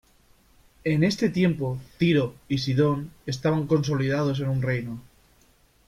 En este tiempo, Tiro y Sidón estaban consolidados en un reino.